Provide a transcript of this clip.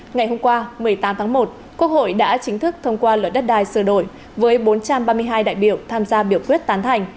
ngày hôm qua một mươi tám tháng một quốc hội đã chính thức thông qua luật đất đai sửa đổi với bốn trăm ba mươi hai đại biểu tham gia biểu quyết tán thành